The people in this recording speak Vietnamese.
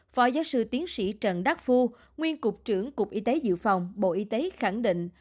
phó giáo sư tiến sĩ trần đắc phu nguyên cục trưởng cục y tế dự phòng bộ y tế khẳng định